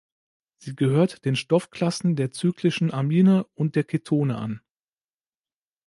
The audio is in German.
Sie gehört den Stoffklassen der cyclischen Amine und der Ketone an.